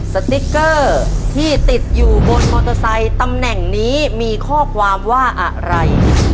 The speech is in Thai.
สติ๊กเกอร์ที่ติดอยู่บนมอเตอร์ไซค์ตำแหน่งนี้มีข้อความว่าอะไร